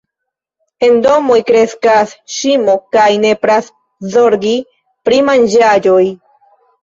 En domoj kreskas ŝimo kaj nepras zorgi pri manĝaĵoj.